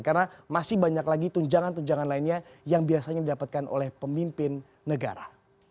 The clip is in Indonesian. karena masih banyak lagi tunjangan tunjangan lainnya yang biasanya didapatkan oleh pemimpin negara